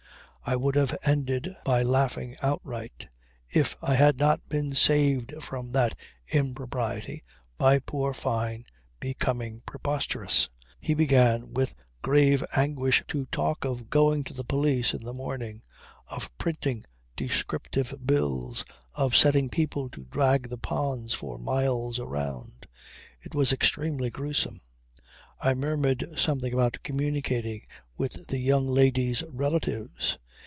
I would have ended by laughing outright if I had not been saved from that impropriety by poor Fyne becoming preposterous. He began with grave anguish to talk of going to the police in the morning, of printing descriptive bills, of setting people to drag the ponds for miles around. It was extremely gruesome. I murmured something about communicating with the young lady's relatives.